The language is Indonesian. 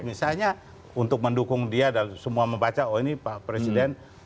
misalnya untuk mendukung dia dan semua membaca oh ini pak presiden